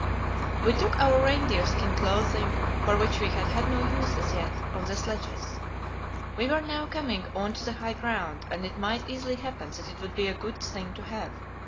We took our reindeer skin clothing, for which we had had no use as yet, on the sledges. We were now coming on to the high ground, and it might easily happen that it would be a good thing to have.